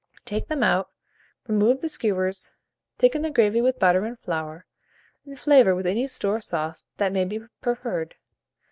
Take them out, remove the skewers, thicken the gravy with butter and flour, and flavour with any store sauce that may be preferred.